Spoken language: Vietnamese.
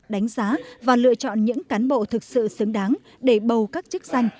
đánh giá và lựa chọn những cán bộ thực sự xứng đáng để bầu các chức danh